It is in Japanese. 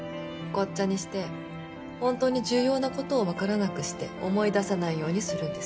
ごっちゃにして本当に重要な事をわからなくして思い出さないようにするんです。